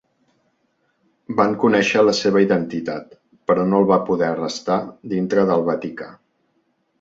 Van conèixer la seva identitat, però no el va poder arrestar dintre del Vaticà.